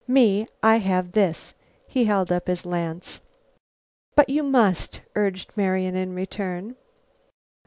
Me, I have this." He held up his lance. "But you must," urged Marian in turn.